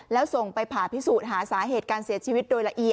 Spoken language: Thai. แล้วส่งไปผ่าพิสูจน์หาสาเหตุการเสียชีวิตโดยละเอียด